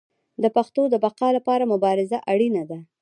د پښتو د بقا لپاره مبارزه اړینه ده.